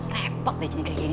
rebek dah jadi kayak gini